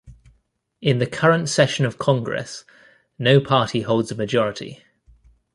In the current session of Congress, no party holds a majority.